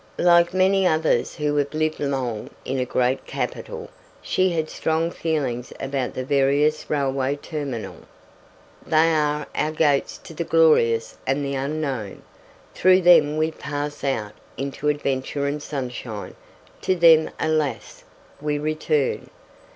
Like many others who have lived long in a great capital, she had strong feelings about the various railway termini. They are our gates to the glorious and the unknown. Through them we pass out into adventure and sunshine, to them alas! we return.